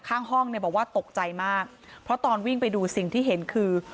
ข้างห้องเนี่ยบอกว่าตกใจมากเพราะตอนวิ่งไปดูสิ่งที่เห็นคือ